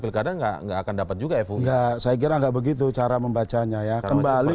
pilkada enggak enggak akan dapat juga ya bu enggak saya kira enggak begitu cara membacanya ya kembali